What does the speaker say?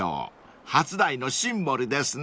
初台のシンボルですね］